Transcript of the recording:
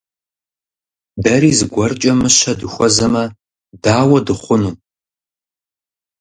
Дэри зыгуэркӀэ мыщэ дыхуэзэмэ, дауэ дыхъуну?